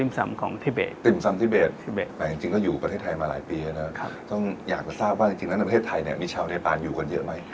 มีชาวเนเปลาอยู่คนเยอะไหม